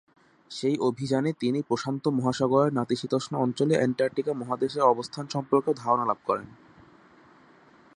সেই অভিযানে তিনি প্রশান্ত মহাসাগরের নাতিশীতোষ্ণ অঞ্চলে অ্যান্টার্কটিকা মহাদেশের অবস্থান সম্পর্কেও ধারণা লাভ করেন।